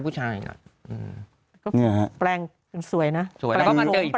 แปลงเป็นสวยนะ